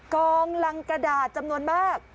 กองรังกระดาษจำนวนมาก